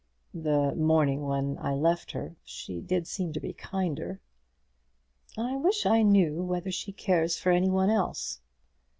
The morning when I left her she did seem to be kinder." "I wish I knew whether she cares for any one else."